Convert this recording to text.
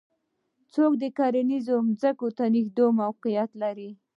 څوک کرنیزې ځمکې ته نږدې موقعیت لري